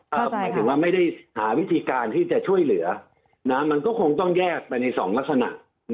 หมายถึงว่าไม่ได้หาวิธีการที่จะช่วยเหลือมันก็คงต้องแยกไปในสองลักษณะ